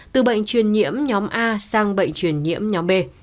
từ bệnh truyền nhiễm nhóm a sang bệnh truyền nhiễm nhóm b